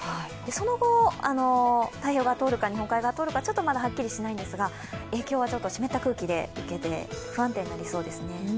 その後、太平洋側を通るか日本海側を通るかちょっとまだはっきりしないんですが、影響は湿った空気で受けて、不安定になりそうですね。